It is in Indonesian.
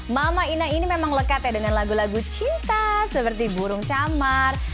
mama ina ini memang lekat ya dengan lagu lagu cinta seperti burung camar